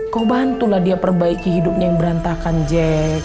kau bantulah dia perbaiki hidupnya yang berantakan jack